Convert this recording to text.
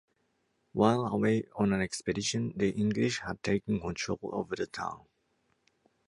While away on an expedition the English had taken control over the town.